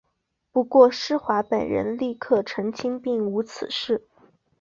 不过施华本人立刻澄清并无此事。